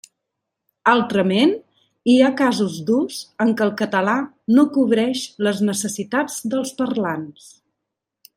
Altrament, hi ha casos d'ús en què el català no cobreix les necessitats dels parlants.